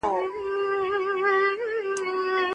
کله خلګ د خپلو تېرو پرېکړو پر ارزښت پوهېږي؟